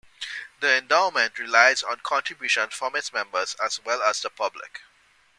The Endowment relies on contributions from its members, as well as the public.